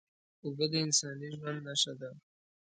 اوبه د انساني ژوند نښه ده